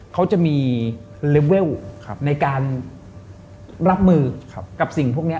เขาจะมีเลเวลในการรับมือกับสิ่งพวกนี้